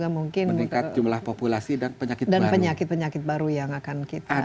mungkin untuk penyakit penyakit baru yang akan kita hadapi